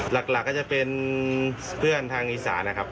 หลักก็จะเป็นเพื่อนทางอีสานนะครับ